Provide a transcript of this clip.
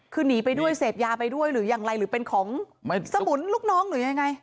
คือหนีไปด้วยเสพยาไปด้วยหรืออย่างไรหรือเป็นของสมุนลูกน้องหรือยังไง